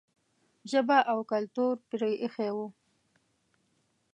ژبه او کلتور پرې ایښی و.